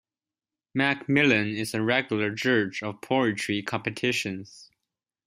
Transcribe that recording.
McMillan is a regular judge of poetry competitions.